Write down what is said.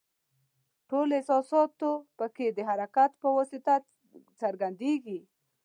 ټول احساسات پکې د حرکت په واسطه څرګندیږي.